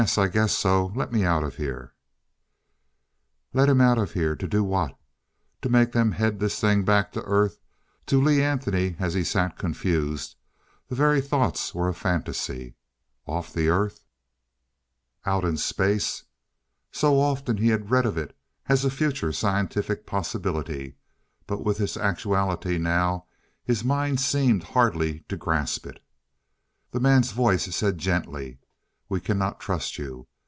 I guess so. Let me out of here " Let him out of here? To do what? To make them head this thing back to Earth.... To Lee Anthony as he sat confused, the very thoughts were a fantasy.... Off the Earth! Out in Space! So often he had read of it, as a future scientific possibility but with this actuality now his mind seemed hardly to grasp it.... The man's voice said gently, "We cannot trust you.